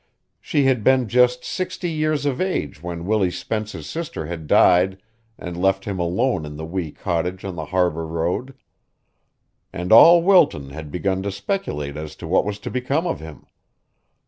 She had been just sixty years of age when Willie Spence's sister had died and left him alone in the wee cottage on the Harbor Road, and all Wilton had begun to speculate as to what was to become of him.